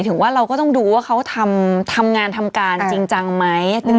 ถึงว่าเราก็ต้องดูว่าเขาทำงานทำการจริงจังไหม